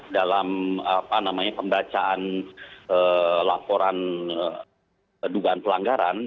dalam pembacaan laporan dugaan pelanggaran